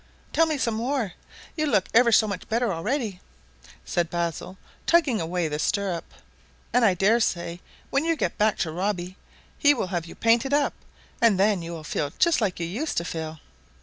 "Tell me some more. You look ever so much better already," said Basil, tugging away at the stirrup. "And I dare say when you get back to Robbie he will have you painted up, and then you will feel just like you used to feel."